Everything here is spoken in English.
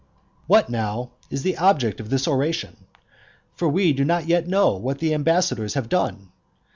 What now is the object of this oration? For we do not yet know what the ambassadors have done.